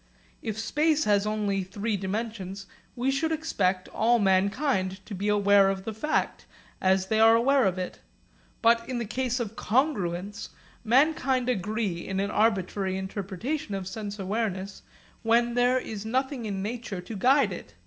If space has only three dimensions we should expect all mankind to be aware of the fact, as they are aware of it. But in the case of congruence, mankind agree in an arbitrary interpretation of sense awareness when there is nothing in nature to guide it.